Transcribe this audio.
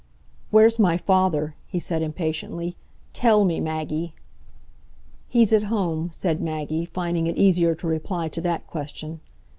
"Where's my father?" he said impatiently. "Tell me, Maggie." "He's at home," said Maggie, finding it easier to reply to that question.